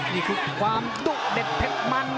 นี่คือความดุเด็ดเผ็ดมัน